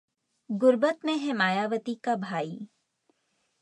गुरबत में है मायावती का भाई